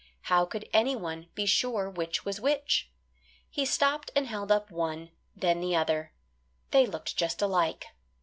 How could anyone be sure which was which? He stopped and held up one, then the other; they looked just alike.